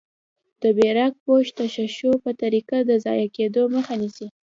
د براق پوښ تشعشع په طریقه د ضایع کیدو مخه نیسي.